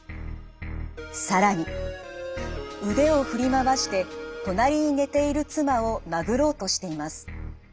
更に腕を振り回して隣に寝ている妻を殴ろうとしています。